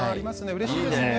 うれしいですね。